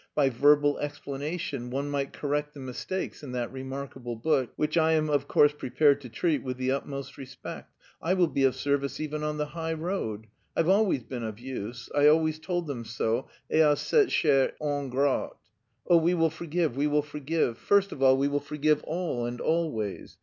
By verbal explanation one might correct the mistakes in that remarkable book, which I am of course prepared to treat with the utmost respect. I will be of service even on the high road. I've always been of use, I always told them so et à cette chère ingrate.... Oh, we will forgive, we will forgive, first of all we will forgive all and always....